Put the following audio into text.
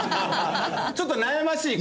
ちょっと悩ましい感じ？